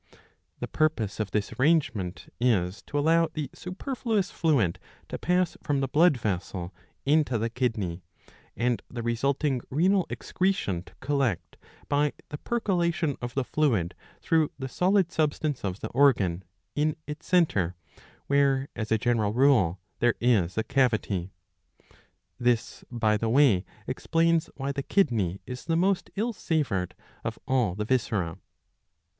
^ The purpose of this arrangement is to 671b. 111. 9. 81 allow the superfluous fluid to pass from the blood vessel into the kidney, and the resulting renal excretion to collect, by the perco lation of the fluid through the solid substance of the organ, in its centre, where as a general Tule there is a cavity. (This by the way explains why the kidney is the most ill savoured of all the viscera.)